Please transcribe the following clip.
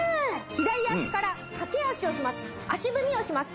左足から駆け足をします